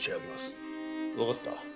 わかった。